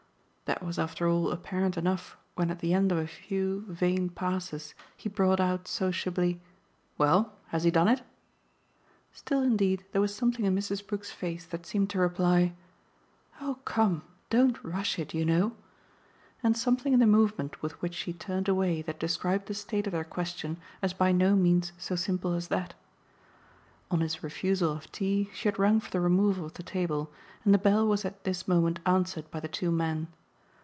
That was after all apparent enough when at the end of a few vain passes he brought out sociably: "Well, has he done it?" Still indeed there was something in Mrs. Brook's face that seemed to reply "Oh come don't rush it, you know!" and something in the movement with which she turned away that described the state of their question as by no means so simple as that. On his refusal of tea she had rung for the removal of the table, and the bell was at this moment answered by the two men.